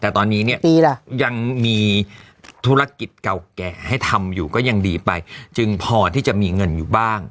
แต่ตอนนี้เนี่ยยังมีธุรกิจเก่าแก่ให้ทำอยู่ก็ยังดีไปจึงพอที่จะมีเงินอยู่บ้าง